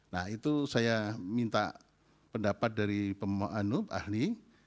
nah itu saya minta pendapat dari ahli